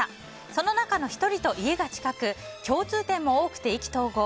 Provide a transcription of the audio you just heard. その中の１人と家が近く共通点も多くて意気投合。